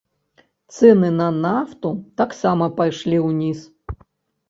Цэны на нафту таксама пайшлі ўніз.